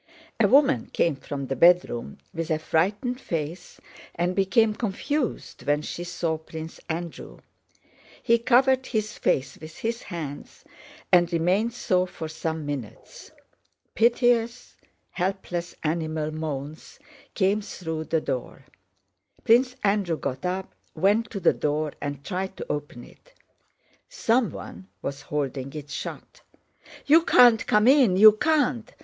A woman came from the bedroom with a frightened face and became confused when she saw Prince Andrew. He covered his face with his hands and remained so for some minutes. Piteous, helpless, animal moans came through the door. Prince Andrew got up, went to the door, and tried to open it. Someone was holding it shut. "You can't come in! You can't!"